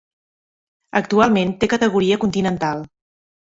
Actualment té categoria continental.